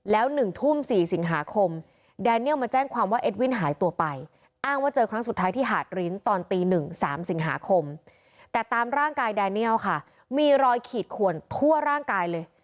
แล้ว๑ทุ่ม๔สิงหาคมแต่ตามร่างกายเนี่ยค่ะมีลอยขีดขวนทั่วร่างกายเลย